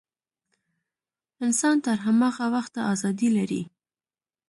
انسان تر هماغه وخته ازادي لري.